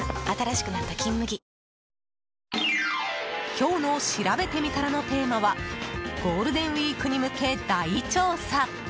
今日のしらべてみたらのテーマはゴールデンウィークに向け大調査。